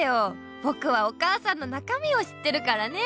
ぼくはお母さんの中身を知ってるからね。